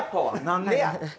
何でや。